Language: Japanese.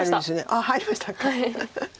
あっ入りましたか。